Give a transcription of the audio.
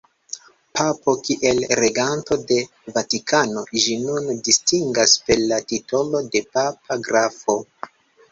Papo, kiel reganto de Vatikano, ĝis nun distingas per la titolo de papa grafo.